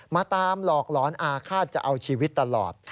มาตามหลอกหลอนอาฆาตจะเอาชีวิตตลอด